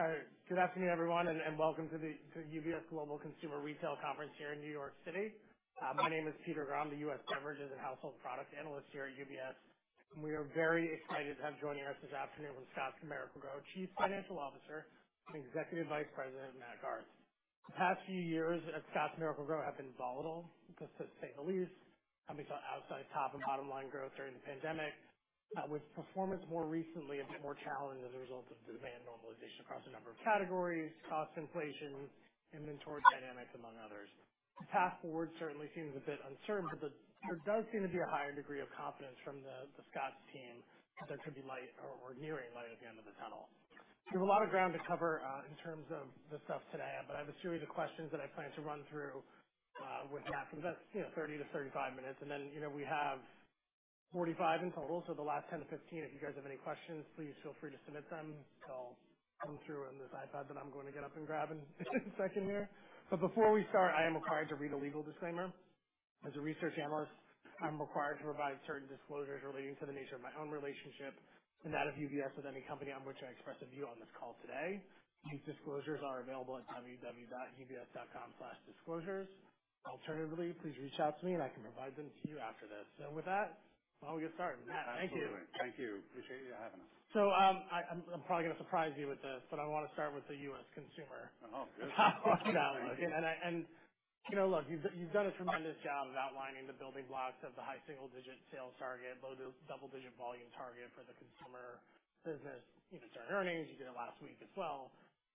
All right. Good afternoon, everyone, and welcome to the UBS Global Consumer Retail Conference here in New York City. My name is Peter Grom, the U.S. Beverages and Household Products Analyst here at UBS. We are very excited to have joining us this afternoon from Scotts Miracle-Gro Chief Financial Officer and Executive Vice President, Matt Garth. The past few years at Scotts Miracle-Gro have been volatile, to say the least. Companies saw outsized top and bottom line growth during the pandemic, with performance more recently a bit more challenged as a result of demand normalization across a number of categories, cost inflation, inventory dynamics, among others. The path forward certainly seems a bit uncertain, but there does seem to be a higher degree of confidence from the Scotts team that there could be light or nearing light at the end of the tunnel. We have a lot of ground to cover in terms of the stuff today, but I have a series of questions that I plan to run through with Matt for the best 30-35 minutes. And then we have 45 in total, so the last 10-15, if you guys have any questions, please feel free to submit them. They'll come through on this iPad that I'm going to get up and grab in a second here. But before we start, I am required to read a legal disclaimer. As a research analyst, I'm required to provide certain disclosures relating to the nature of my own relationship and that of UBS with any company on which I express a view on this call today. These disclosures are available at www.ubs.com/disclosures. Alternatively, please reach out to me, and I can provide them to you after this. With that, why don't we get started? Matt, thank you. Absolutely. Thank you. Appreciate you having us. So I'm probably going to surprise you with this, but I want to start with the U.S. Consumer. Oh, good. Look, you've done a tremendous job of outlining the building blocks of the high single-digit sales target, low double-digit volume target for the consumer business. You did turn earnings. You did it last week as well.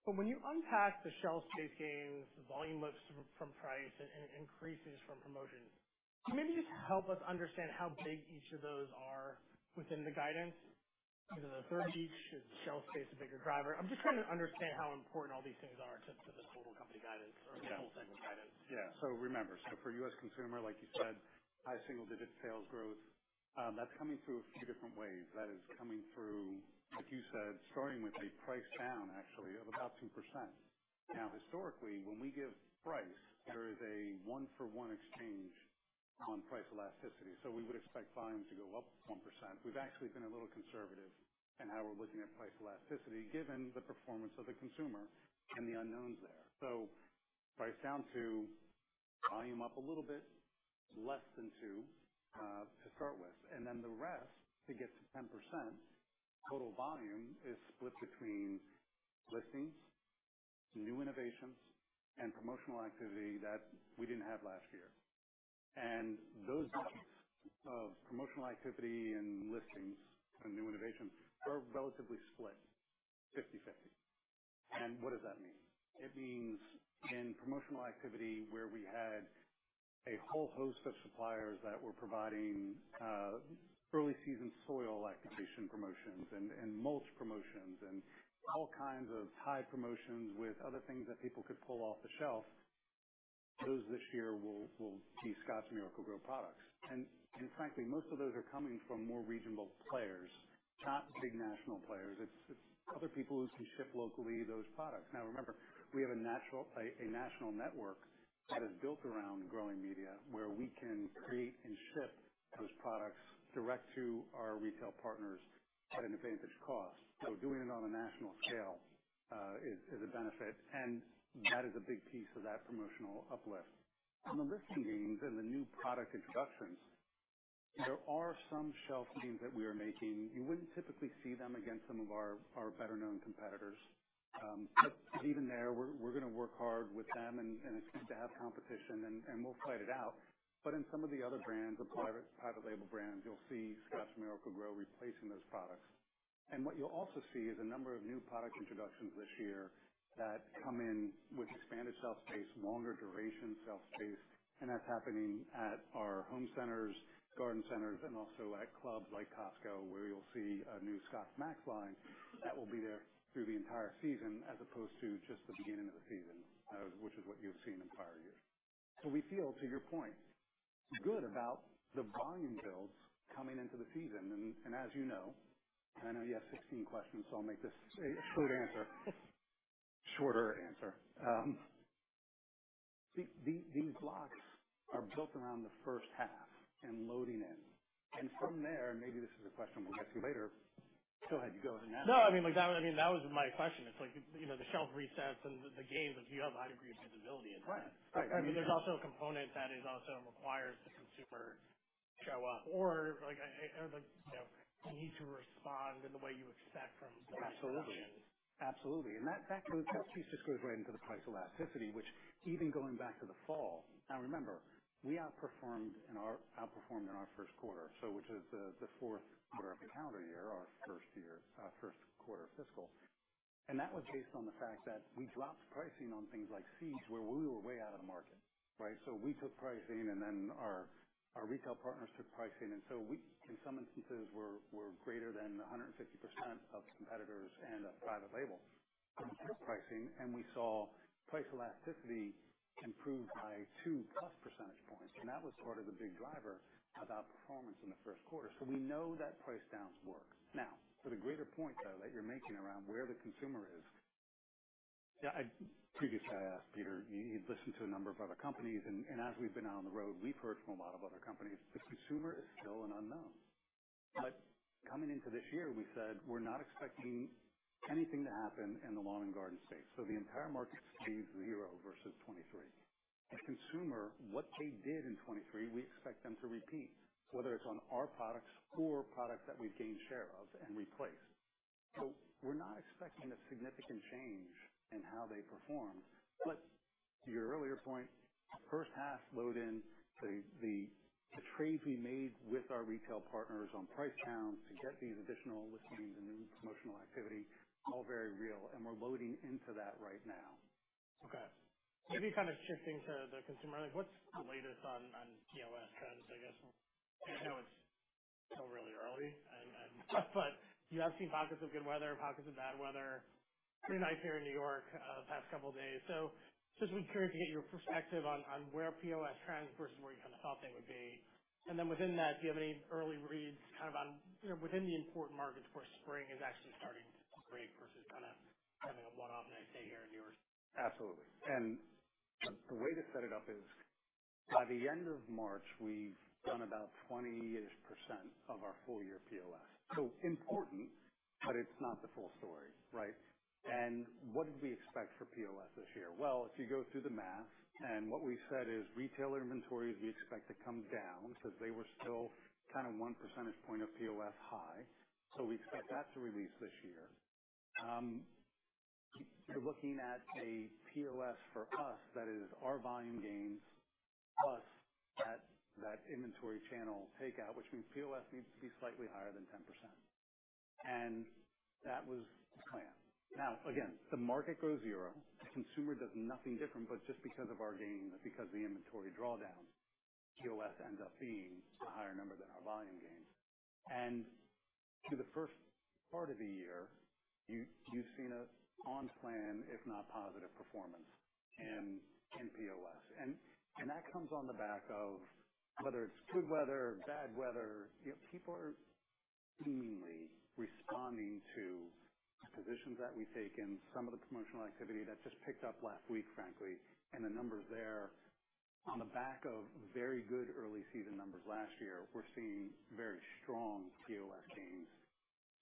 But when you unpack the shelf space gains, the volume lifts from price, and increases from promotions, can you maybe just help us understand how big each of those are within the guidance? The third beachhead is shelf space, a bigger driver. I'm just trying to understand how important all these things are to this total company guidance or the whole segment guidance. Yeah. So remember, so for U.S. Consumer, like you said, high single-digit sales growth, that's coming through a few different ways. That is coming through, like you said, starting with a price down, actually, of about 2%. Now, historically, when we give price, there is a 1-for-1 exchange on price elasticity. So we would expect volume to go up 1%. We've actually been a little conservative in how we're looking at price elasticity given the performance of the consumer and the unknowns there. So price down to volume up a little bit, less than 2 to start with, and then the rest to get to 10% total volume is split between listings, new innovations, and promotional activity that we didn't have last year. And those pieces of promotional activity and listings and new innovations are relatively split, 50/50. And what does that mean? It means in promotional activity where we had a whole host of suppliers that were providing early season soil application promotions and mulch promotions and all kinds of tied promotions with other things that people could pull off the shelf, those this year will be Scotts Miracle-Gro products. And frankly, most of those are coming from more regional players, not big national players. It's other people who can ship locally those products. Now, remember, we have a national network that is built around growing media where we can create and ship those products direct to our retail partners at an advantage cost. So doing it on a national scale is a benefit, and that is a big piece of that promotional uplift. On the listing gains and the new product introductions, there are some shelf gains that we are making. You wouldn't typically see them against some of our better-known competitors, but even there, we're going to work hard with them and expect to have competition, and we'll fight it out. In some of the other brands, the private label brands, you'll see Scotts Miracle-Gro replacing those products. What you'll also see is a number of new product introductions this year that come in with expanded shelf space, longer duration shelf space, and that's happening at our home centers, garden centers, and also at clubs like Costco where you'll see a new Scotts Max line that will be there through the entire season as opposed to just the beginning of the season, which is what you've seen entire years. We feel, to your point, good about the volume builds coming into the season. As you know, I know you have 16 questions, so I'll make this a shorter answer. These blocks are built around the first half and loading in. From there, and maybe this is a question we'll get to later, go ahead. You go ahead now. No, I mean, that was my question. It's like the shelf resets and the gains, you have a high degree of visibility into it. I mean, there's also a component that also requires the consumer to show up or need to respond in the way you expect from the consumption. Absolutely. Absolutely. And that piece just goes right into the price elasticity, which even going back to the fall now, remember, we outperformed in our first quarter, which is the fourth quarter of the calendar year, our first quarter fiscal. And that was based on the fact that we dropped pricing on things like seeds where we were way out of the market, right? So we took pricing, and then our retail partners took pricing. And so in some instances, we're greater than 150% of competitors and of private label pricing, and we saw price elasticity improve by 2+ percentage points. And that was part of the big driver of outperformance in the first quarter. So we know that price downs work. Now, for the greater point, though, that you're making around where the consumer is, previously, I asked Peter, he'd listened to a number of other companies. And as we've been out on the road, we've heard from a lot of other companies, the consumer is still an unknown. But coming into this year, we said we're not expecting anything to happen in the lawn and garden space. So the entire market stays 0 versus 2023. The consumer, what they did in 2023, we expect them to repeat, whether it's on our products or products that we've gained share of and replaced. So we're not expecting a significant change in how they perform. But to your earlier point, first half load in, the trades we made with our retail partners on price downs to get these additional listings and new promotional activity, all very real, and we're loading into that right now. Okay. Maybe kind of shifting to the consumer, what's the latest on POS trends, I guess? I know it's still really early, but you have seen pockets of good weather, pockets of bad weather, pretty nice here in New York past couple of days. So just curious to get your perspective on where POS trends versus where you kind of thought they would be. And then within that, do you have any early reads kind of within the important markets where spring is actually starting to break versus kind of having a one-off night stay here in New York? Absolutely. And the way to set it up is by the end of March, we've done about 20-ish% of our full-year POS. So important, but it's not the full story, right? And what did we expect for POS this year? Well, if you go through the math, and what we said is retailer inventories we expect to come down because they were still kind of one percentage point of POS high, so we expect that to release this year. You're looking at a POS for us that is our volume gains plus that inventory channel takeout, which means POS needs to be slightly higher than 10%. And that was the plan. Now, again, the market grows 0. The consumer does nothing different. But just because of our gains, because of the inventory drawdown, POS ends up being a higher number than our volume gains. Through the first part of the year, you've seen an on-plan, if not positive, performance in POS. That comes on the back of whether it's good weather, bad weather. People are seemingly responding to positions that we take in, some of the promotional activity that just picked up last week, frankly. The numbers there, on the back of very good early season numbers last year, we're seeing very strong POS gains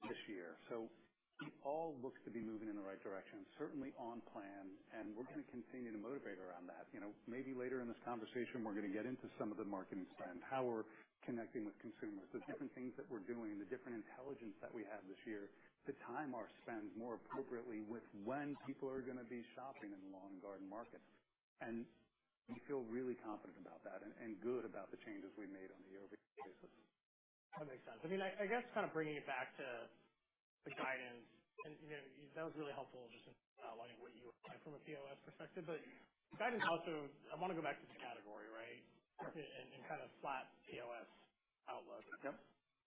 this year. It all looks to be moving in the right direction, certainly on plan, and we're going to continue to motivate around that. Maybe later in this conversation, we're going to get into some of the marketing spend, how we're connecting with consumers, the different things that we're doing, the different intelligence that we have this year to time our spends more appropriately with when people are going to be shopping in the lawn and garden markets. We feel really confident about that and good about the changes we made on a yearly basis. That makes sense. I mean, I guess kind of bringing it back to the guidance, and that was really helpful just in outlining what you apply from a POS perspective. But guidance also, I want to go back to the category, right, and kind of flat POS outlook.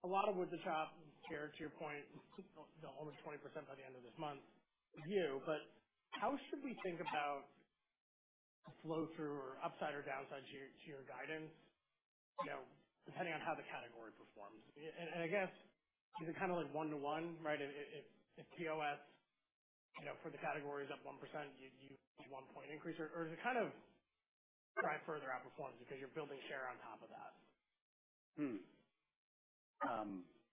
A lot of wood to chop, to your point, almost 20% by the end of this month. You, but how should we think about the flow-through or upside or downside to your guidance depending on how the category performs? And I guess, is it kind of like one-to-one, right? If POS for the category is up 1%, you need one point increase, or is it kind of try further outperformance because you're building share on top of that?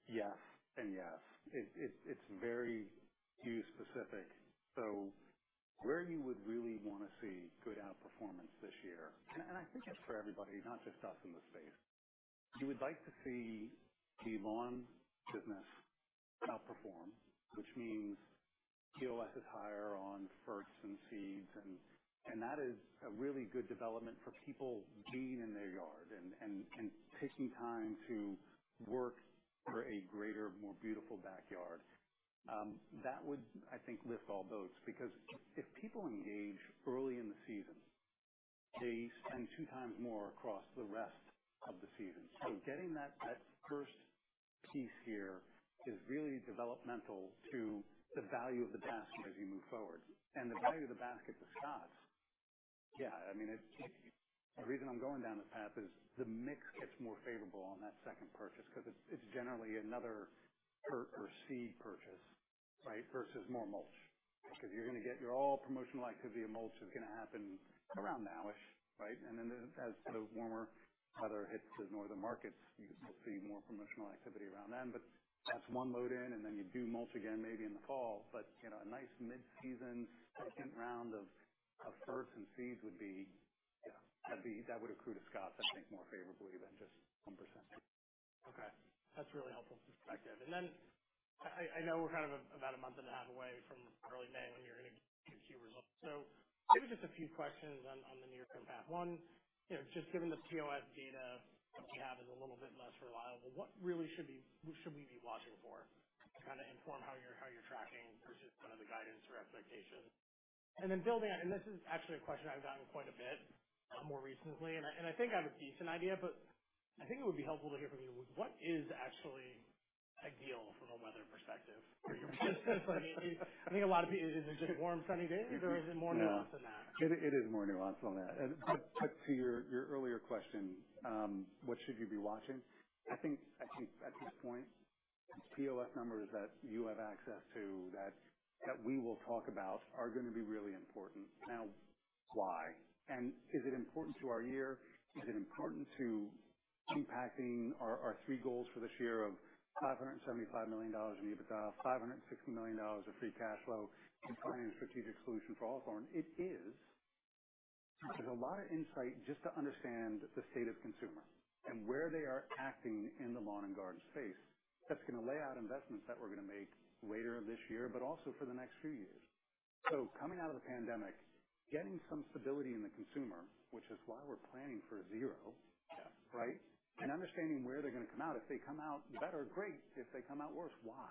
Yes and yes. It's very geo-specific. So where you would really want to see good outperformance this year, and I think it's for everybody, not just us in the space, you would like to see the lawn business outperform, which means POS is higher on fertilizers and seeds. And that is a really good development for people being in their yard and taking time to work for a greater, more beautiful backyard. That would, I think, lift all boats because if people engage early in the season, they spend two times more across the rest of the season. So getting that first piece here is really developmental to the value of the basket as you move forward. The value of the basket for Scotts, yeah, I mean, the reason I'm going down this path is the mix gets more favorable on that second purchase because it's generally another fert or seed purchase, right, versus more mulch. Because you're going to get your annual promotional activity, and mulch is going to happen around now-ish, right? And then as the warmer weather hits the northern markets, you'll see more promotional activity around then. But that's one load in, and then you do mulch again maybe in the fall. But a nice mid-season, second round of ferts and seeds would be yeah, that would accrue to Scotts, I think, more favorably than just 1%. Okay. That's really helpful perspective. And then I know we're kind of about a month and a half away from early May when you're going to get key results. So maybe just a few questions on the near-term path. One, just given the POS data that you have is a little bit less reliable, what really should we be watching for to kind of inform how you're tracking versus kind of the guidance or expectations? And then building on, and this is actually a question I've gotten quite a bit more recently, and I think I have a decent idea, but I think it would be helpful to hear from you, what is actually ideal from a weather perspective for your business? I mean, I think a lot of people, is it just warm, sunny days, or is it more nuanced than that? No, it is more nuanced than that. But to your earlier question, what should you be watching? I think at this point, the POS numbers that you have access to that we will talk about are going to be really important. Now, why? And is it important to our year? Is it important to impacting our three goals for this year of $575 million in EBITDA, $560 million of free cash flow, and finding a strategic solution for Hawthorne? It is. There's a lot of insight just to understand the state of consumer and where they are acting in the lawn and garden space that's going to lay out investments that we're going to make later this year, but also for the next few years. So coming out of the pandemic, getting some stability in the consumer, which is why we're planning for zero, right, and understanding where they're going to come out. If they come out better, great. If they come out worse, why?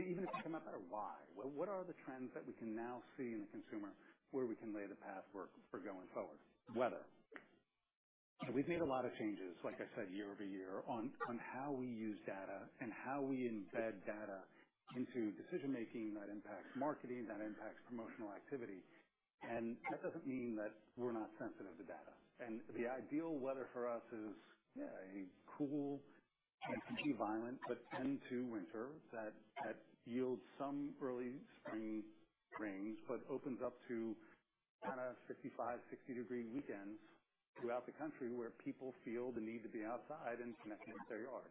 Even if they come out better, why? What are the trends that we can now see in the consumer where we can lay the groundwork for going forward? Weather. We've made a lot of changes, like I said, year-over-year on how we use data and how we embed data into decision-making that impacts marketing, that impacts promotional activity. And that doesn't mean that we're not sensitive to data. The ideal weather for us is, yeah, a cool and contingently violent, but tend to winter that yields some early spring rains but opens up to kind of 55, 60-degree weekends throughout the country where people feel the need to be outside and connecting with their yard.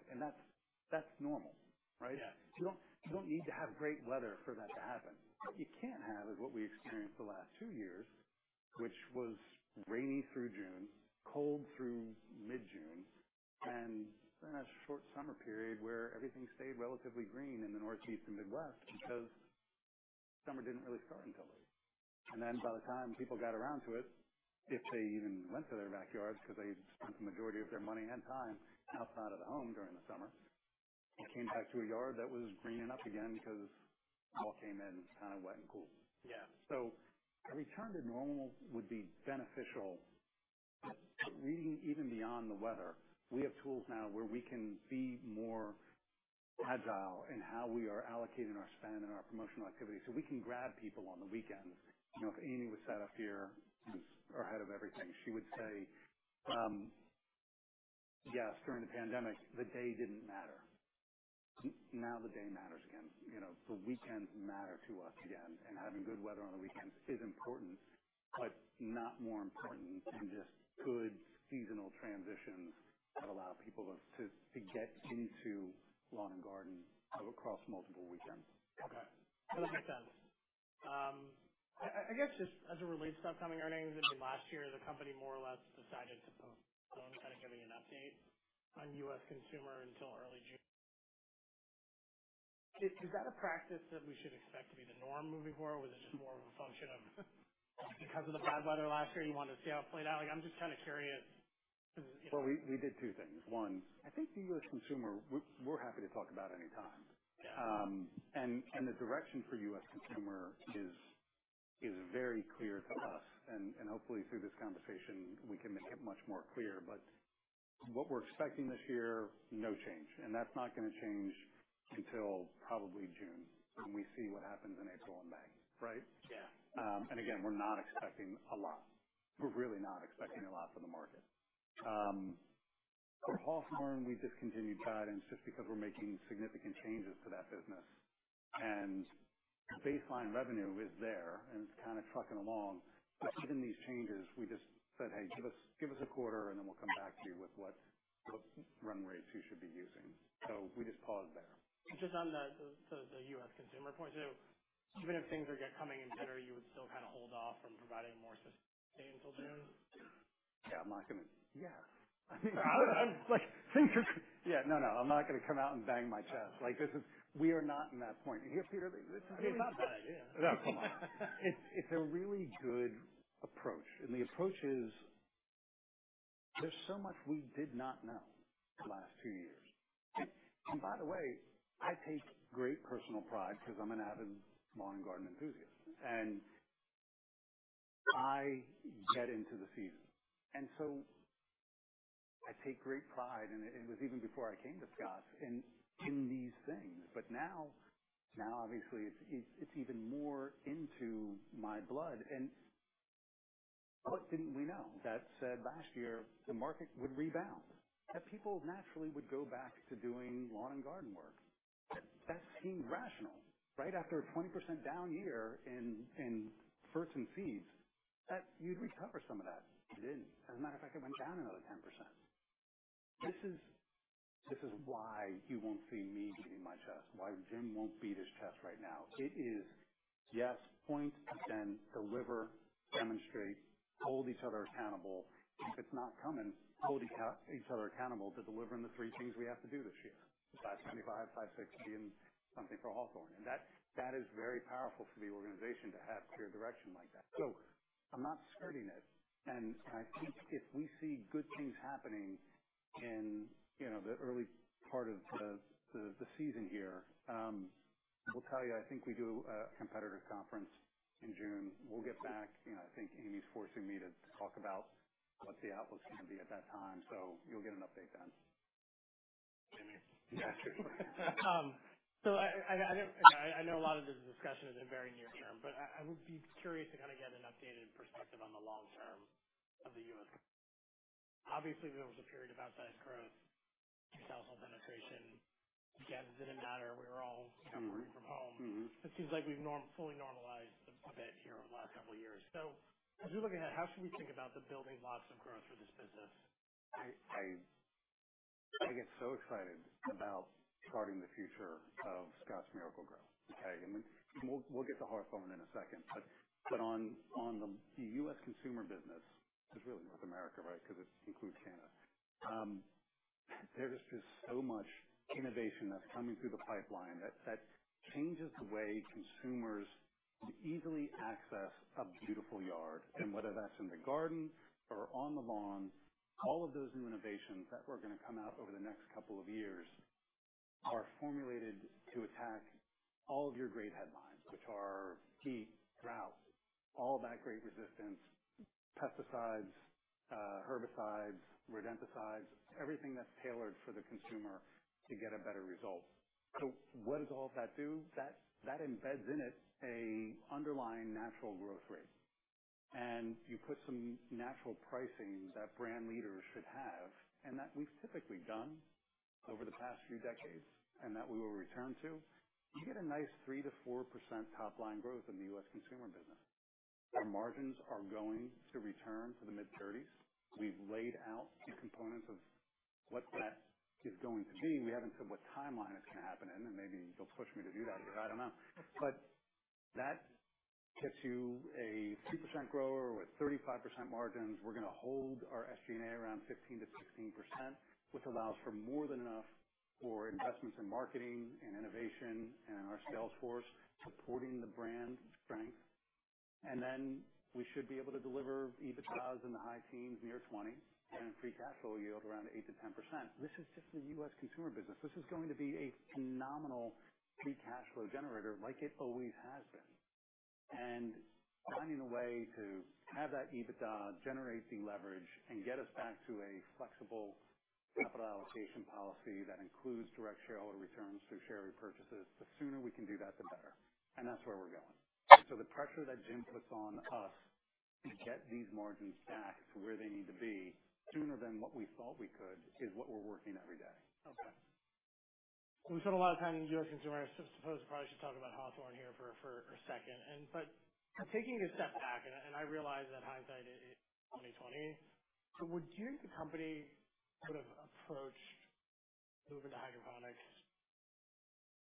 That's normal, right? You don't need to have great weather for that to happen. What you can't have is what we experienced the last two years, which was rainy through June, cold through mid-June, and then a short summer period where everything stayed relatively green in the Northeast and Midwest because summer didn't really start until late. And then by the time people got around to it, if they even went to their backyards because they spent the majority of their money and time outside of the home during the summer, they came back to a yard that was greening up again because all came in kind of wet and cool. A return to normal would be beneficial. Reading even beyond the weather, we have tools now where we can be more agile in how we are allocating our spend and our promotional activity so we can grab people on the weekends. If Aimee was sat up here and our head of everything, she would say, "Yes, during the pandemic, the day didn't matter. Now the day matters again." The weekends matter to us again, and having good weather on the weekends is important, but not more important than just good seasonal transitions that allow people to get into lawn and garden across multiple weekends. Okay. That makes sense. I guess just as it relates to upcoming earnings, I mean, last year, the company more or less decided to post, so I'm kind of giving an update on U.S. Consumer until early June. Is that a practice that we should expect to be the norm moving forward, or was it just more of a function of because of the bad weather last year you wanted to see how it played out? I'm just kind of curious because. Well, we did two things. One, I think the U.S. Consumer, we're happy to talk about anytime. The direction for U.S. Consumer is very clear to us. Hopefully, through this conversation, we can make it much more clear. But what we're expecting this year, no change. That's not going to change until probably June when we see what happens in April and May, right? Again, we're not expecting a lot. We're really not expecting a lot for the market. For Hawthorne, we discontinued guidance just because we're making significant changes to that business. Baseline revenue is there, and it's kind of trucking along. But given these changes, we just said, "Hey, give us a quarter, and then we'll come back to you with what run rates you should be using." So we just paused there. Just on the U.S. Consumer point, so even if things are coming in better, you would still kind of hold off from providing more sustained until June? Yeah. I'm not going to. I mean, things are. No, no. I'm not going to come out and bang my chest. We are not in that point. Here, Peter, this is really. I mean, it's not a bad idea. No, come on. It's a really good approach. The approach is there's so much we did not know the last two years. By the way, I take great personal pride because I'm an avid lawn and garden enthusiast, and I get into the season. So I take great pride, and it was even before I came to Scotts, in these things. But now, obviously, it's even more into my blood. What didn't we know? That said last year, the market would rebound, that people naturally would go back to doing lawn and garden work. That seemed rational, right? After a 20% down year in turf and seeds, you'd recover some of that. Didn't. As a matter of fact, it went down another 10%. This is why you won't see me beating my chest, why Jim won't beat his chest right now. It is, yes. Point, but then deliver, demonstrate, hold each other accountable. If it's not coming, hold each other accountable to delivering the three things we have to do this year, the 575, 560, and something for Hawthorne. And that is very powerful for the organization to have clear direction like that. So I'm not skirting it. And I think if we see good things happening in the early part of the season here, I will tell you, I think we do a competitor conference in June. We'll get back. I think Aimee's forcing me to talk about what the outlook's going to be at that time. So you'll get an update then. Aimee? Yeah. So I know a lot of this discussion is in very near term, but I would be curious to kind of get an updated perspective on the long term of the U.S. Obviously, there was a period of outside growth, new household penetration. Again, it didn't matter. We were all working from home. It seems like we've fully normalized a bit here over the last couple of years. So as we look ahead, how should we think about the building blocks of growth for this business? I get so excited about starting the future of Scotts Miracle-Gro, okay? We'll get to Hawthorne in a second. On the U.S. Consumer business, it's really North America, right, because it includes Canada. There's just so much innovation that's coming through the pipeline that changes the way consumers easily access a beautiful yard. Whether that's in the garden or on the lawn, all of those new innovations that we're going to come out over the next couple of years are formulated to attack all of your great headlines, which are heat, drought, all that great resistance, pesticides, herbicides, rodenticides, everything that's tailored for the consumer to get a better result. What does all of that do? That embeds in it an underlying natural growth rate. You put some natural pricing that brand leaders should have, and that we've typically done over the past few decades and that we will return to. You get a nice 3%-4% top-line growth in the U.S. Consumer business. Our margins are going to return to the mid-30s. We've laid out the components of what that is going to be. We haven't said what timeline it's going to happen in. And maybe you'll push me to do that here. I don't know. But that gets you a 2% grower with 35% margins. We're going to hold our SG&A around 15%-16%, which allows for more than enough for investments in marketing and innovation and our sales force supporting the brand strength. Then we should be able to deliver EBITDA in the high teens near 20% and free cash flow yield around 8%-10%. This is just the U.S. Consumer business. This is going to be a phenomenal free cash flow generator like it always has been. Finding a way to have that EBITDA generate the leverage and get us back to a flexible capital allocation policy that includes direct shareholder returns through share repurchases, the sooner we can do that, the better. That's where we're going. So the pressure that Jim puts on us to get these margins back to where they need to be sooner than what we thought we could is what we're working every day. Okay. We've spent a lot of time in U.S. Consumer. I suppose we probably should talk about Hawthorne here for a second. But taking a step back, and I realize that hindsight 20/20, would you think the company would have approached moving to hydroponics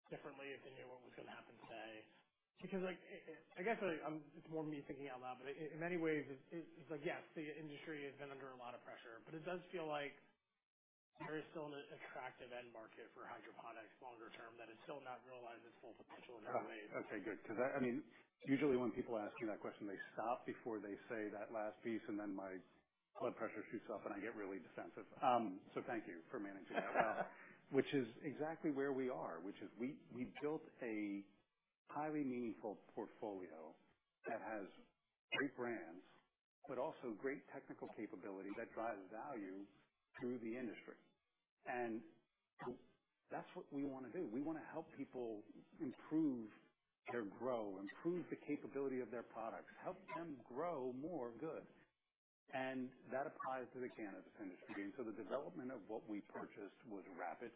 differently if they knew what was going to happen today? Because I guess it's more me thinking out loud, but in many ways, it's like, yes, the industry has been under a lot of pressure. But it does feel like there is still an attractive end market for hydroponics longer term that it still not realized its full potential in other ways. Okay. Good. Because I mean, usually, when people ask me that question, they stop before they say that last piece, and then my blood pressure shoots up, and I get really defensive. So thank you for managing that well, which is exactly where we are, which is we built a highly meaningful portfolio that has great brands but also great technical capability that drives value through the industry. And that's what we want to do. We want to help people improve their grow, improve the capability of their products, help them grow more. Good. And that applies to the cannabis industry. And so the development of what we purchased was rapid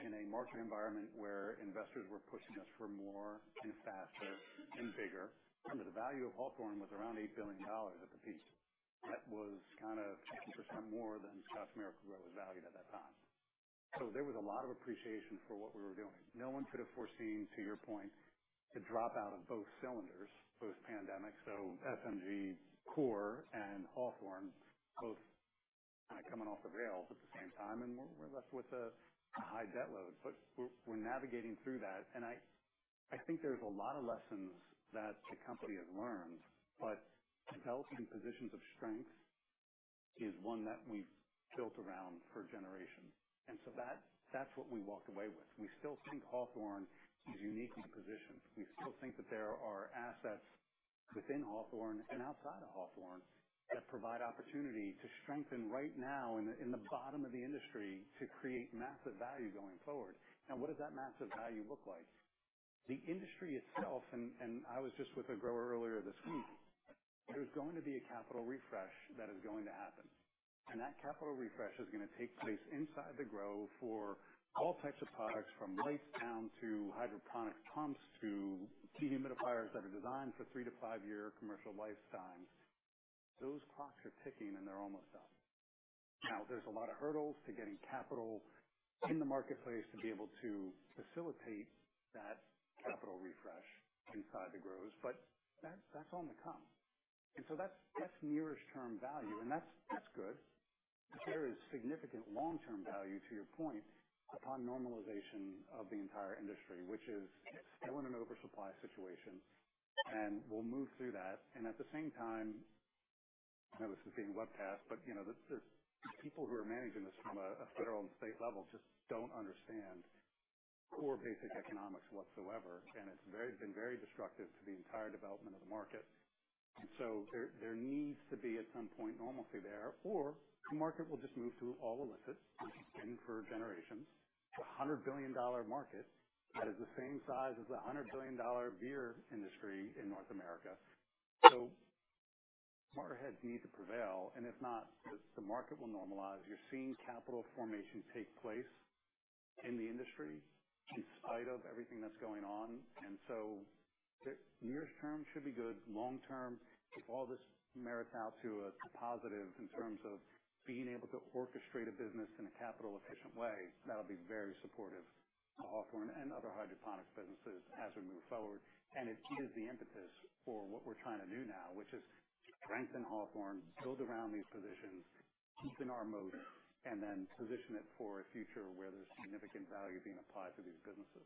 in a market environment where investors were pushing us for more and faster and bigger. And the value of Hawthorne was around $8 billion at the peak. That was kind of 50% more than Scotts Miracle-Gro was valued at that time. So there was a lot of appreciation for what we were doing. No one could have foreseen, to your point, the dropout of both cylinders, both pandemic. So SMG Core and Hawthorne, both kind of coming off the rails at the same time. And we're left with a high debt load. But we're navigating through that. And I think there's a lot of lessons that the company has learned. But developing positions of strength is one that we've built around for generations. And so that's what we walked away with. We still think Hawthorne is uniquely positioned. We still think that there are assets within Hawthorne and outside of Hawthorne that provide opportunity to strengthen right now in the bottom of the industry to create massive value going forward. Now, what does that massive value look like? The industry itself, and I was just with a grower earlier this week, there's going to be a capital refresh that is going to happen. And that capital refresh is going to take place inside the grow for all types of products, from lights down to hydroponic pumps to dehumidifiers that are designed for 3-5-year commercial lifetimes. Those clocks are ticking, and they're almost up. Now, there's a lot of hurdles to getting capital in the marketplace to be able to facilitate that capital refresh inside the grows. But that's all in the come. And so that's nearest-term value, and that's good. But there is significant long-term value, to your point, upon normalization of the entire industry, which is still in an oversupply situation. And we'll move through that. At the same time, I know this is being webcast, but the people who are managing this from a federal and state level just don't understand core basic economics whatsoever. It's been very destructive to the entire development of the market. So there needs to be, at some point, normalcy there, or the market will just move to all illicit in for generations. It's a $100 billion market that is the same size as the $100 billion beer industry in North America. So smart heads need to prevail. If not, the market will normalize. You're seeing capital formation take place in the industry in spite of everything that's going on. Near-term should be good. Long-term, if all this merits out to a positive in terms of being able to orchestrate a business in a capital-efficient way, that'll be very supportive to Hawthorne and other hydroponics businesses as we move forward. And it is the impetus for what we're trying to do now, which is strengthen Hawthorne, build around these positions, keep in our moat, and then position it for a future where there's significant value being applied to these businesses.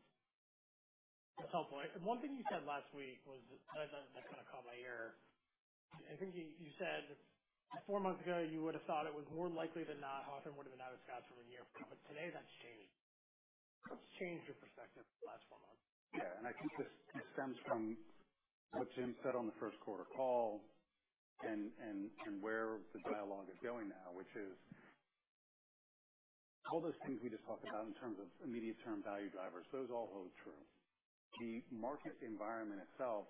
That's helpful. And one thing you said last week was that kind of caught my ear. I think you said 4 months ago, you would have thought it was more likely than not Hawthorne would have been out of Scotts for a year. But today, that's changed. That's changed your perspective the last 4 months. Yeah. I think this stems from what Jim said on the first quarter call and where the dialogue is going now, which is all those things we just talked about in terms of immediate-term value drivers, those all hold true. The market environment itself,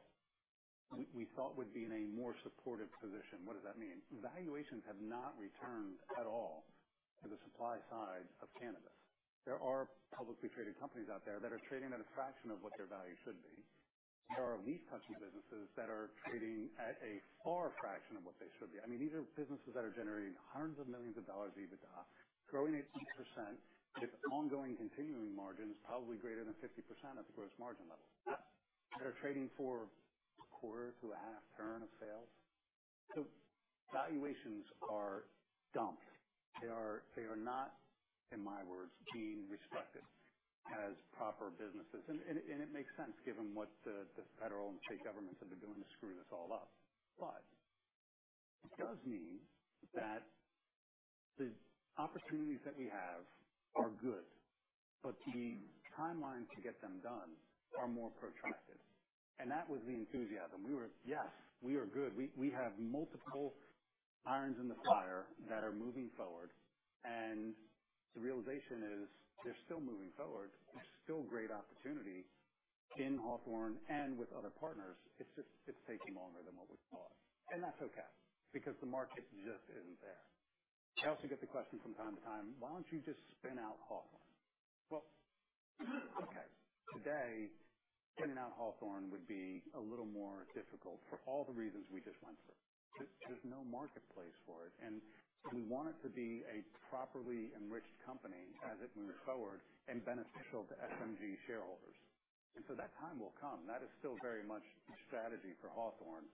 we thought would be in a more supportive position. What does that mean? Valuations have not returned at all to the supply side of cannabis. There are publicly traded companies out there that are trading at a fraction of what their value should be. There are low-capex businesses that are trading at a fraction of what they should be. I mean, these are businesses that are generating $hundreds of millions of EBITDA, growing at 8% with ongoing, continuing margins, probably greater than 50% at the gross margin level. That's better trading for 0.25-0.5 turn of sales. So valuations are dumped. They are not, in my words, being respected as proper businesses. And it makes sense given what the federal and state governments have been doing to screw this all up. But it does mean that the opportunities that we have are good, but the timelines to get them done are more protracted. And that was the enthusiasm. We were, "Yes, we are good. We have multiple irons in the fire that are moving forward." And the realization is they're still moving forward. There's still great opportunity in Hawthorne and with other partners. It's just it's taking longer than what we thought. And that's okay because the market just isn't there. I also get the question from time to time, "Why don't you just spin out Hawthorne?" Well, okay. Today, spinning out Hawthorne would be a little more difficult for all the reasons we just went through. There's no marketplace for it. We want it to be a properly enriched company as it moves forward and beneficial to SMG shareholders. That time will come. That is still very much strategy for Hawthorne.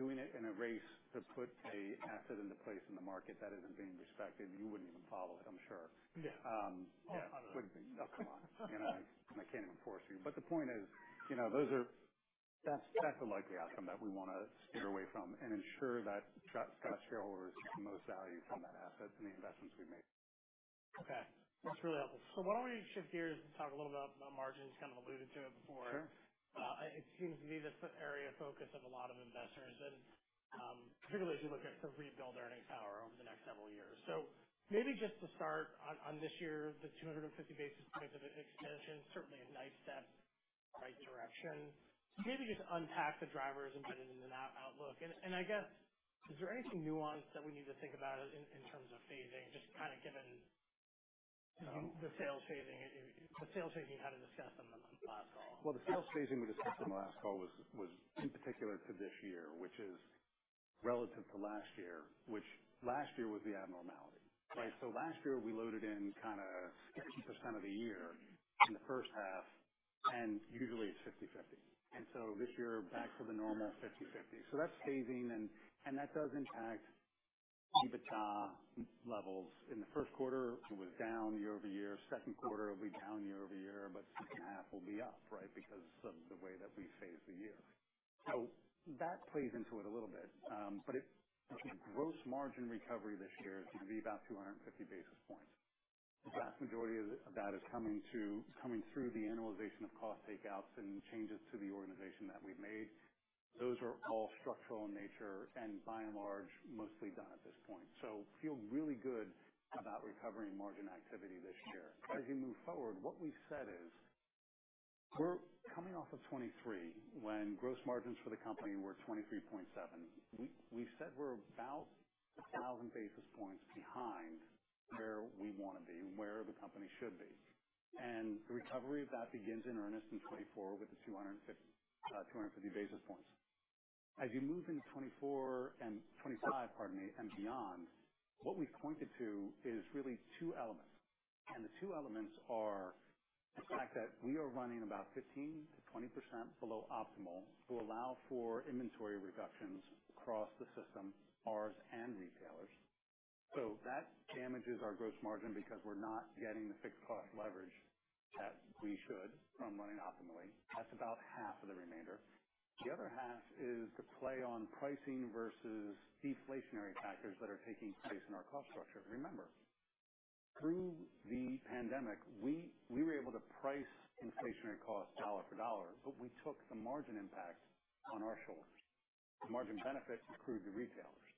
Doing it in a race to put an asset into place in the market that isn't being respected, you wouldn't even follow it, I'm sure. Yeah. Oh, no. Oh, come on. I can't even force you. The point is, that's the likely outcome that we want to steer away from and ensure that Scotts shareholders get the most value from that asset and the investments we've made. Okay. That's really helpful. So why don't we shift gears and talk a little about margins? You kind of alluded to it before. It seems to be this area of focus of a lot of investors, particularly as you look at the rebuild earning power over the next several years. So maybe just to start on this year, the 250 basis points of expansion, certainly a nice step, right direction. Maybe just unpack the drivers embedded in that outlook. And I guess, is there anything nuanced that we need to think about in terms of phasing, just kind of given the sales phasing? The sales phasing, you had to discuss on the last call. Well, the sales phasing we discussed on the last call was in particular to this year, which is relative to last year, which last year was the abnormality, right? So last year, we loaded in kind of 50% of the year in the first half, and usually, it's 50/50. And so this year, back to the normal 50/50. So that's phasing. And that does impact EBITDA levels. In the first quarter, it was down year-over-year. Second quarter, it'll be down year-over-year, but second half will be up, right, because of the way that we phased the year. So that plays into it a little bit. But I think gross margin recovery this year is going to be about 250 basis points. The vast majority of that is coming through the annualization of cost takeouts and changes to the organization that we've made. Those are all structural in nature and, by and large, mostly done at this point. So feel really good about recovering margin activity this year. As you move forward, what we've said is we're coming off of 2023 when gross margins for the company were 23.7%. We've said we're about 1,000 basis points behind where we want to be and where the company should be. And the recovery of that begins in earnest in 2024 with the 250 basis points. As you move into 2024 and 2025, pardon me, and beyond, what we've pointed to is really two elements. And the two elements are the fact that we are running about 15%-20% below optimal to allow for inventory reductions across the system, buyers and retailers. So that damages our gross margin because we're not getting the fixed cost leverage that we should from running optimally. That's about half of the remainder. The other half is to play on pricing versus deflationary factors that are taking place in our cost structure. Remember, through the pandemic, we were able to price inflationary costs dollar for dollar, but we took the margin impact on our shoulders. The margin benefit accrued to retailers.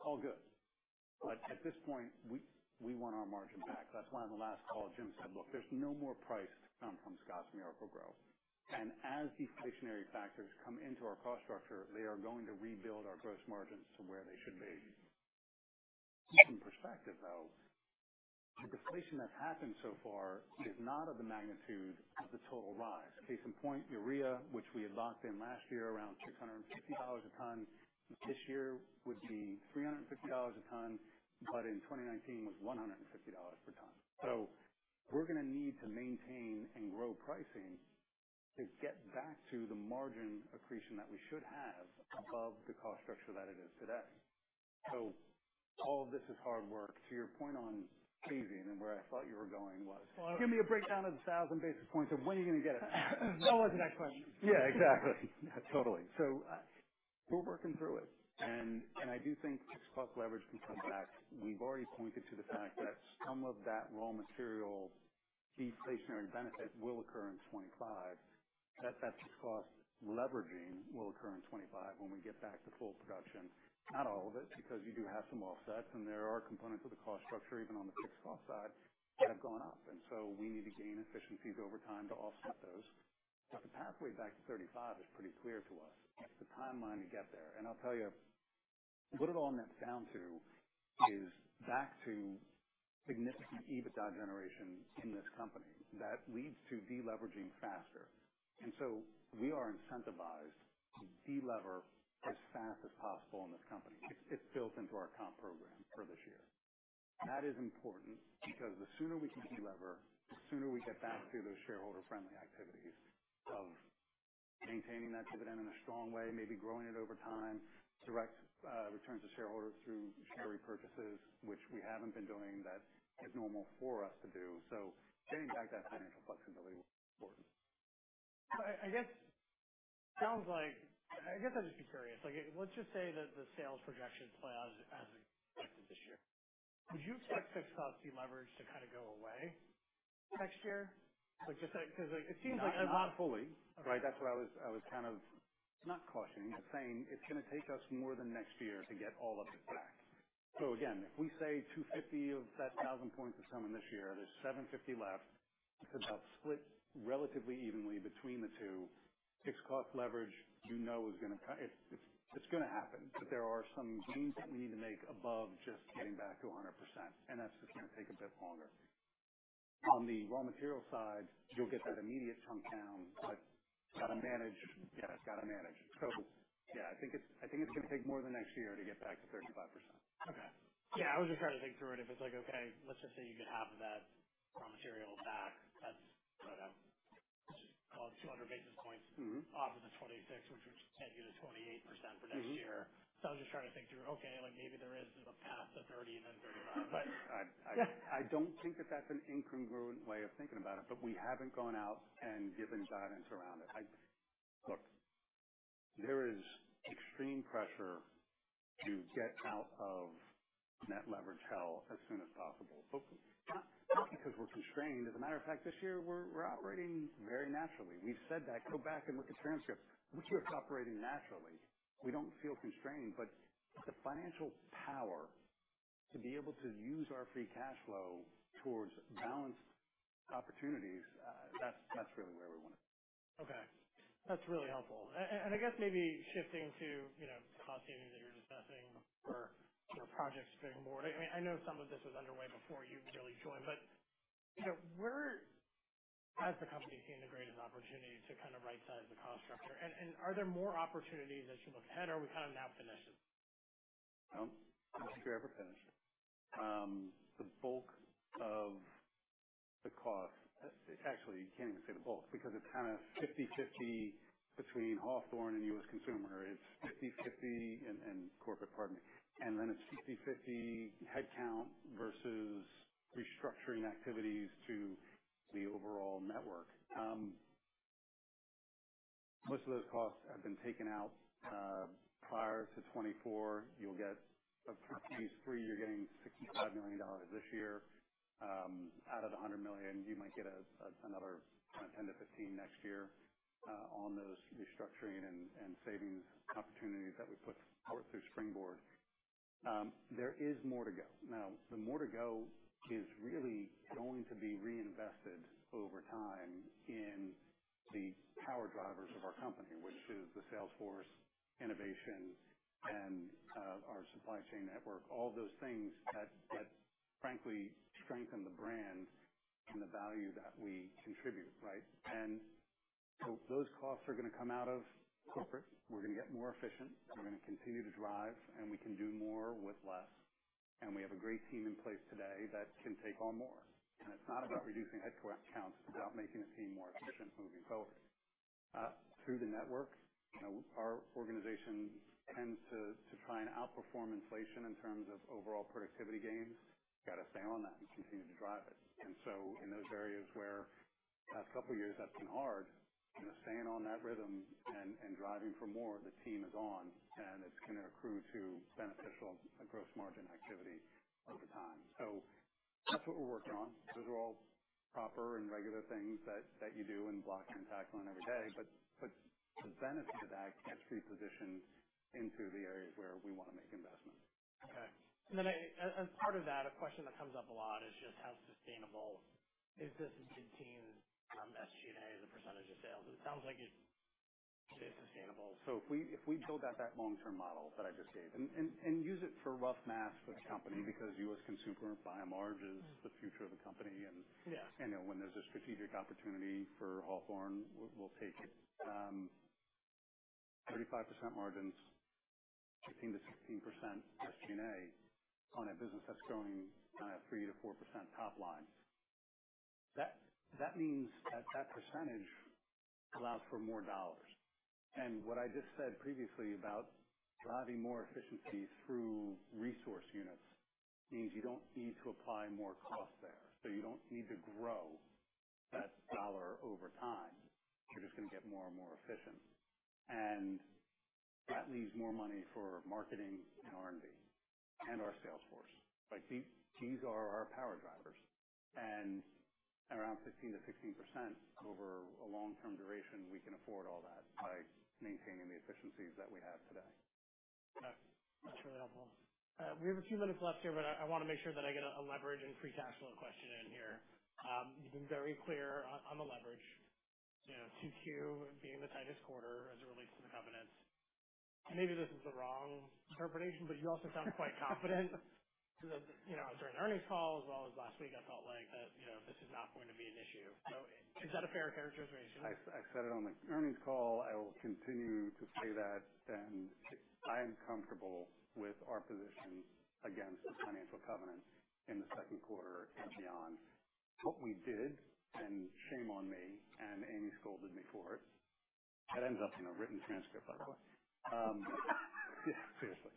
All good. But at this point, we want our margin back. That's why on the last call, Jim said, "Look, there's no more price to come from Scotts Miracle-Gro. And as deflationary factors come into our cost structure, they are going to rebuild our gross margins to where they should be." Keep in perspective, though, the deflation that's happened so far is not of the magnitude of the total rise. Case in point, urea, which we had locked in last year around $650 a ton, this year would be $350 a ton, but in 2019, it was $150 per ton. So we're going to need to maintain and grow pricing to get back to the margin accretion that we should have above the cost structure that it is today. So all of this is hard work. To your point on phasing and where I thought you were going was, "Give me a breakdown of the 1,000 basis points of when you're going to get it. That wasn't that question. Yeah, exactly. Totally. So we're working through it. And I do think fixed cost leverage can come back. We've already pointed to the fact that some of that raw material deflationary benefit will occur in 2025. That fixed cost leveraging will occur in 2025 when we get back to full production. Not all of it because you do have some offsets, and there are components of the cost structure, even on the fixed cost side, that have gone up. And so we need to gain efficiencies over time to offset those. But the pathway back to 2035 is pretty clear to us. It's the timeline to get there. And I'll tell you, what it all nets down to is back to significant EBITDA generation in this company that leads to deleveraging faster. And so we are incentivized to delever as fast as possible in this company. It's built into our comp program for this year. That is important because the sooner we can delever, the sooner we get back to those shareholder-friendly activities of maintaining that dividend in a strong way, maybe growing it over time, direct returns to shareholders through share repurchases, which we haven't been doing, that is normal for us to do. So getting back that financial flexibility will be important. I guess it sounds like I guess I'd just be curious. Let's just say that the sales projections play out as expected this year. Would you expect fixed cost deleverage to kind of go away next year? Because it seems like it. Not fully, right? That's what I was kind of not cautioning, but saying, "It's going to take us more than next year to get all of it back." So again, if we say 250 of that 1,000 points is coming this year, there's 750 left. It's about split relatively evenly between the two. Fixed cost leverage, you know, is going to, it's going to happen, but there are some gains that we need to make above just getting back to 100%. And that's just going to take a bit longer. On the raw material side, you'll get that immediate chunk down, but it's got to manage. Yeah, it's got to manage. So yeah, I think it's going to take more than next year to get back to 35%. Okay. Yeah, I was just trying to think through it. If it's like, "Okay, let's just say you get half of that raw material back," that's called 200 basis points off of the 26, which would get you to 28% for next year. So I was just trying to think through, "Okay, maybe there is a path to 30% and then 35%." But. I don't think that that's an incongruent way of thinking about it, but we haven't gone out and given guidance around it. Look, there is extreme pressure to get out of net leverage hell as soon as possible, not because we're constrained. As a matter of fact, this year, we're operating very naturally. We've said that. Go back and look at transcripts. This year, it's operating naturally. We don't feel constrained. But the financial power to be able to use our free cash flow towards balanced opportunities, that's really where we want to be. Okay. That's really helpful. And I guess maybe shifting to cost savings that you're discussing or Project Springboard. I mean, I know some of this was underway before you really joined, but where has the company seen the greatest opportunity to kind of right-size the cost structure? And are there more opportunities as you look ahead, or are we kind of now finished? Don't think we're ever finished. The bulk of the cost actually, you can't even say the bulk because it's kind of 50/50 between Hawthorne and U.S. Consumer. It's 50/50 and corporate, pardon me. And then it's 50/50 headcount versus restructuring activities to the overall network. Most of those costs have been taken out prior to 2024. Phase three, you're getting $65 million this year. Out of the $100 million, you might get another 10-15 next year on those restructuring and savings opportunities that we put forth through Springboard. There is more to go. Now, the more to go is really going to be reinvested over time in the power drivers of our company, which is the sales force, innovation, and our supply chain network, all of those things that, frankly, strengthen the brand and the value that we contribute, right? And so those costs are going to come out of corporate. We're going to get more efficient. We're going to continue to drive, and we can do more with less. And we have a great team in place today that can take on more. And it's not about reducing headcounts. It's about making the team more efficient moving forward. Through the network, our organization tends to try and outperform inflation in terms of overall productivity gains. Got to stay on that and continue to drive it. And so in those areas where the past couple of years, that's been hard, staying on that rhythm and driving for more, the team is on, and it's going to accrue to beneficial gross margin activity over time. So that's what we're working on. Those are all proper and regular things that you do and block and tackle on every day. But the benefit of that gets repositioned into the areas where we want to make investments. Okay. And then as part of that, a question that comes up a lot is just how sustainable is this continued SG&A as a percentage of sales. It sounds like it is sustainable. So if we build out that long-term model that I just gave and use it for rough math for the company because U.S. Consumer, by and large, is the future of the company. And when there's a strategic opportunity for Hawthorne, we'll take it: 35% margins, 15%-16% SG&A on a business that's growing kind of 3%-4% top line. That means that percentage allows for more dollars. And what I just said previously about driving more efficiency through resource units means you don't need to apply more cost there. So you don't need to grow that dollar over time. You're just going to get more and more efficient. And that leaves more money for marketing and R&D and our sales force. These are our power drivers. Around 15%-16%, over a long-term duration, we can afford all that by maintaining the efficiencies that we have today. Okay. That's really helpful. We have a few minutes left here, but I want to make sure that I get a leverage and free cash flow question in here. You've been very clear on the leverage, 2Q being the tightest quarter as it relates to the covenants. And maybe this is the wrong interpretation, but you also sound quite confident during the earnings call as well as last week. I felt like that this is not going to be an issue. So is that a fair characterization? I said it on the earnings call. I will continue to say that. And I am comfortable with our position against the financial covenant in the second quarter and beyond. What we did, and shame on me and Aimee scolded me for it, that ends up in a written transcript, by the way. Yeah, seriously.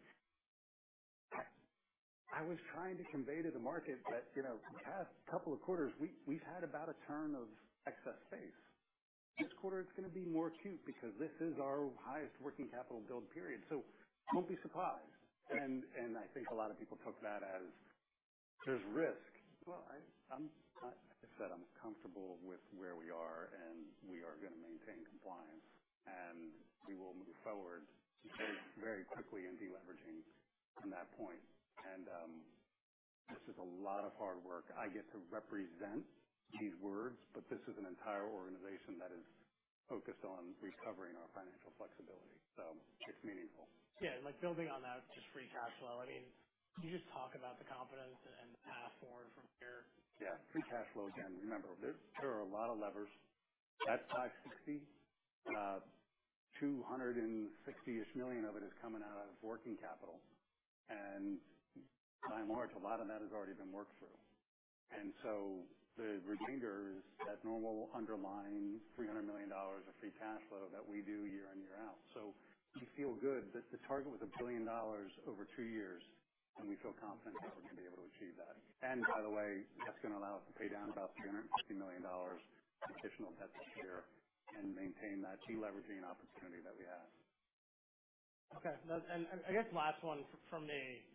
I was trying to convey to the market that the past couple of quarters, we've had about a turn of excess space. This quarter, it's going to be more acute because this is our highest working capital build period. So don't be surprised. And I think a lot of people took that as, "There's risk." Well, like I said, I'm comfortable with where we are, and we are going to maintain compliance, and we will move forward very quickly in deleveraging from that point. And this is a lot of hard work. I get to represent these words, but this is an entire organization that is focused on recovering our financial flexibility. So it's meaningful. Yeah. Building on that, just free cash flow. I mean, you just talked about the confidence and the path forward from here. Yeah. Free cash flow again. Remember, there are a lot of levers. That's $560 million. $260-ish million of it is coming out of working capital. And by and large, a lot of that has already been worked through. And so the remainder is that normal underlying $300 million of free cash flow that we do year in, year out. So we feel good that the target was $1 billion over two years, and we feel confident that we're going to be able to achieve that. And by the way, that's going to allow us to pay down about $350 million in additional debt this year and maintain that deleveraging opportunity that we have. Okay. I guess last one from me.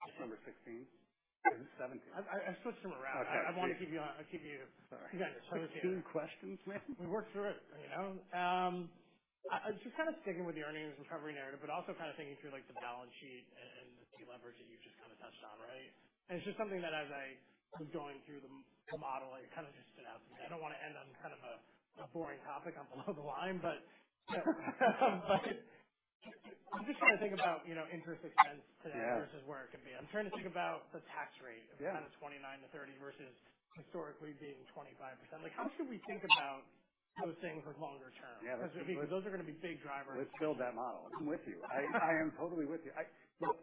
That's number 16. Is it 17? I switched them around. I want to keep you. I keep you. You got your toes here. 16 questions, ma'am? We worked through it. Just kind of sticking with the earnings recovery narrative, but also kind of thinking through the balance sheet and the deleverage that you've just kind of touched on, right? And it's just something that as I was going through the model, it kind of just stood out to me. I don't want to end on kind of a boring topic on below the line, but I'm just trying to think about interest expense today versus where it could be. I'm trying to think about the tax rate of kind of 29%-30% versus historically being 25%. How should we think about those things longer term? Because those are going to be big drivers. Let's build that model. I'm with you. I am totally with you. Look,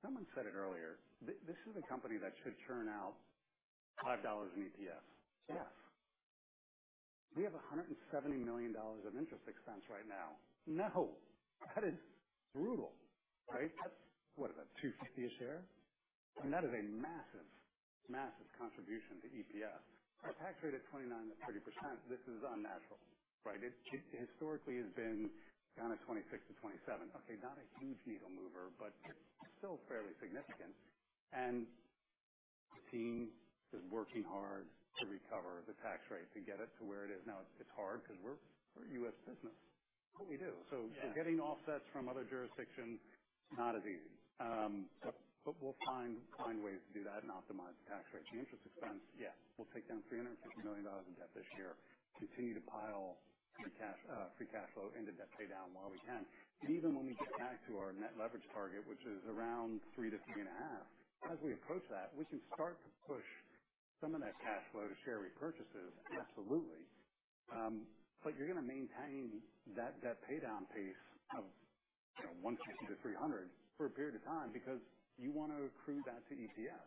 someone said it earlier. This is a company that should churn out $5 in EPS. Yes. We have $170 million of interest expense right now. No. That is brutal, right? What is that, 250-ish share? I mean, that is a massive, massive contribution to EPS. Our tax rate at 29%-30%, this is unnatural, right? It historically has been kind of 26%-27%. Okay, not a huge needle mover, but still fairly significant. And the team is working hard to recover the tax rate to get it to where it is. Now, it's hard because we're U.S. business. That's what we do. So getting offsets from other jurisdictions, not as easy. But we'll find ways to do that and optimize the tax rate. The interest expense, yeah, we'll take down $350 million of debt this year, continue to pile free cash flow into debt paydown while we can. And even when we get back to our net leverage target, which is around 3-3.5, as we approach that, we can start to push some of that cash flow to share repurchases, absolutely. But you're going to maintain that debt paydown pace of $150-$300 million for a period of time because you want to accrue that to EPS.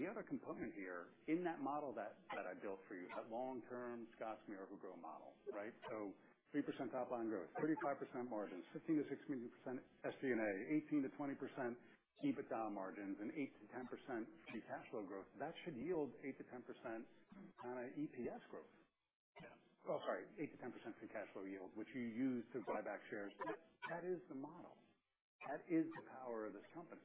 The other component here in that model that I built for you, that long-term Scotts Miracle-Gro model, right? So 3% top line growth, 35% margins, 15%-16% SG&A, 18%-20% EBITDA margins, and 8%-10% free cash flow growth. That should yield 8%-10% kind of EPS growth. Oh, sorry, 8%-10% free cash flow yield, which you use to buy back shares. That is the model. That is the power of this company.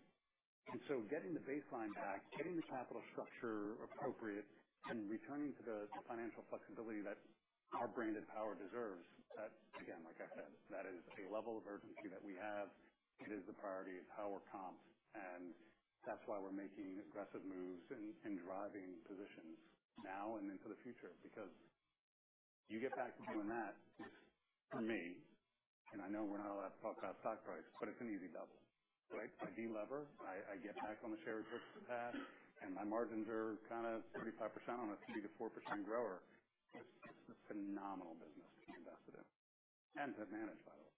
And so getting the baseline back, getting the capital structure appropriate, and returning to the financial flexibility that our branded power deserves, again, like I said, that is a level of urgency that we have. It is the priority of Hagedorn. And that's why we're making aggressive moves and driving positions now and into the future because you get back to doing that, for me, and I know we're not allowed to talk about stock price, but it's an easy double, right? I delever. I get back on the share repurchase path, and my margins are kind of 35% on a 3%-4% grower. It's a phenomenal business to be invested in and to manage, by the way.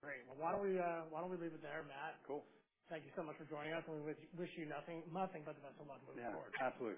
Great. Well, why don't we leave it there, Matt? Cool. Thank you so much for joining us. We wish you nothing but the best of luck moving forward. Yeah. Absolutely.